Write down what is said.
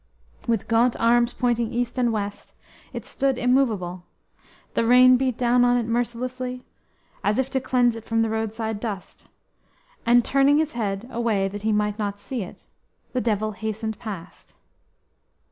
With gaunt arms pointing east and west it stood immovable; the rain beat down on it mercilessly, as if to cleanse it from the roadside dust; and turning his head away that he might not see it, the Devil hastened past.